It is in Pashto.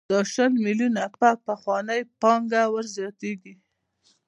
دا شل میلیونه په پخوانۍ پانګه ورزیاتېږي